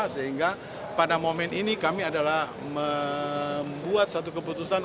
sehingga pada momen ini kami adalah membuat satu keputusan